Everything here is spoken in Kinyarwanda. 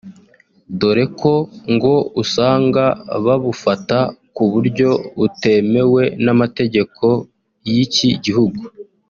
dore ko ngo usanga babufata ku buryo butemewe n’amategeko y’iki gihugu